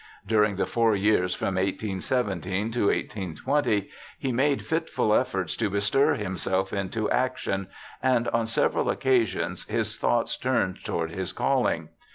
During the four years from 1817 to 1820 he made fitful efforts to bestir himself into action, and on several occasions his thoughts turned toward his calling.